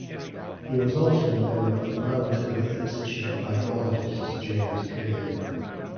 He was also a member of the Manitoba Institute of Agrologists during this period.